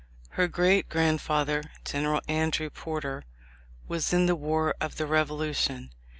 Her great grandfather, General Andrew Porter, was in the war of the Revolution.